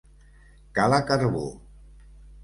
Cala carbó.